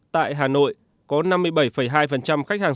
tại hà nội có năm mươi bảy hai khách hàng